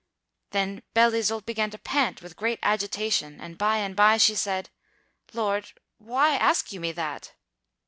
Then Belle Isoult began to pant with great agitation, and by and by she said, "Lord, why ask you me that?"